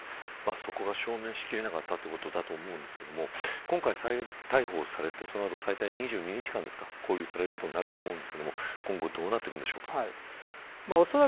そこが証明しきれなかったということだと思うんですけど今回再逮捕されてそのあと最大２２日間勾留されることになると思うんですが今後、どうなっていくんでしょうか。